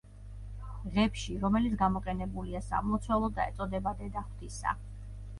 ღებში, რომელიც გამოყენებულია სამლოცველოდ და ეწოდება „დედა ღვთისა“.